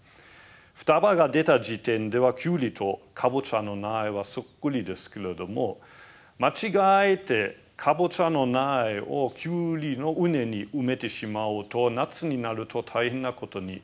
双葉が出た時点ではキュウリとカボチャの苗はそっくりですけれども間違えてカボチャの苗をキュウリの畝に埋めてしまうと夏になると大変なことになるんですね。